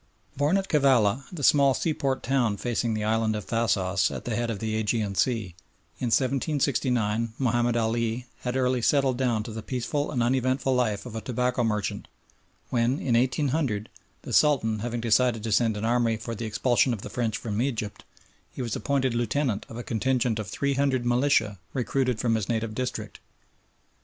Born at Cavala, the small seaport town facing the Island of Thasos at the head of the Ægean Sea, in 1769, Mahomed Ali had early settled down to the peaceful and uneventful life of a tobacco merchant when, in 1800, the Sultan having decided to send an army for the expulsion of the French from Egypt, he was appointed lieutenant of a contingent of three hundred militia recruited from his native district.